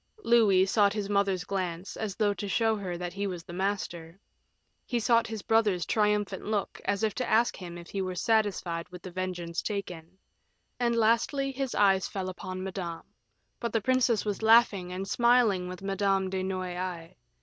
Louis sought his mother's glance, as though to show her that he was master; he sought his brother's triumphant look, as if to ask him if he were satisfied with the vengeance taken; and lastly, his eyes fell upon Madame; but the princess was laughing and smiling with Madame de Noailles.